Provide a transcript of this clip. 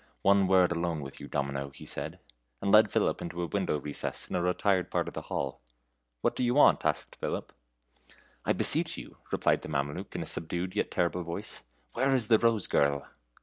"One word alone with you, Domino," he said, and led Philip into a window recess in a retired part of the hall. "What do you want?" asked Philip. "I beseech you," replied the Mameluke, in a subdued yet terrible voice, "where is the Rose girl?"